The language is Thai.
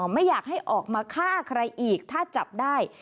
ไม่อยากให้ออกมาฆ่าใครอีกถ้าจับได้